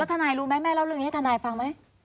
ทนายรู้ไหมแม่เล่าเรื่องนี้ให้ทนายฟังไหม